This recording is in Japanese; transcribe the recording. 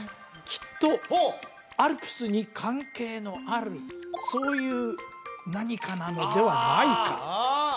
きっとアルプスに関係のあるそういう何かなのではないかああ